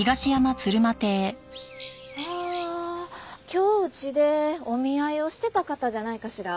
今日うちでお見合いをしてた方じゃないかしら？